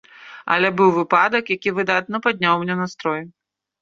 Але быў выпадак, які выдатна падняў мне настрой.